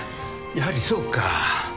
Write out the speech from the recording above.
やはりそうか。